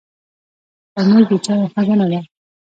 ترموز د چایو خزانه ده.